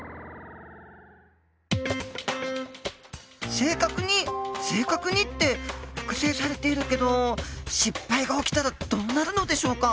正確に正確にって複製されているけど失敗が起きたらどうなるのでしょうか？